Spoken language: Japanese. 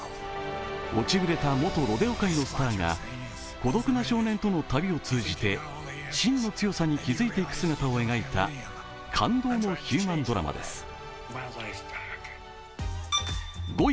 落ちぶれた元ロデオ界のスターが孤独な少年との旅を通じて真の強さに気付いていく姿を描いた感動のヒューマンドラマです。